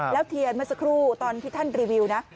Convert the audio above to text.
แล้วเทียนเมื่อสักครู่ตอนที่ท่านรีวิวนะ